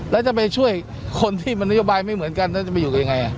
แล้วจะไปช่วยคนที่มันนโยบายไม่เหมือนกันแล้วจะไปอยู่ยังไง